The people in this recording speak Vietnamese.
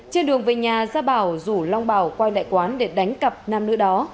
trên đường về nhà gia bảo rủ long bảo quay lại quán để đánh cặp nam nữ đó